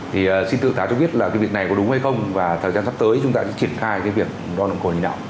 thì xin tự tháo cho biết là cái việc này có đúng hay không và thời gian sắp tới chúng ta sẽ triển khai cái việc đo nồng độ khổn nào